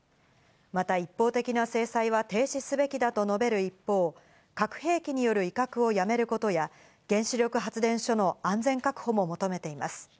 また、一方的な制裁は停止すべきだと述べる一方、核兵器による威嚇をやめることや、原子力発電所の安全確保も求めています。